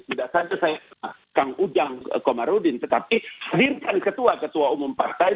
tidak saja saya kang ujang komarudin tetapi hadirkan ketua ketua umum partai